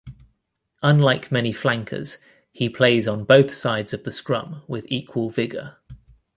Unlike many flankers, he plays on both sides of the scrum with equal vigor.